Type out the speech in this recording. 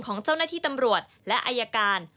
ของเจ้าหน้าที่ตำรวจและอายการ